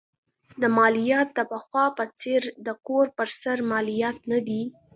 دا مالیات د پخوا په څېر د کور پر سر مالیات نه دي.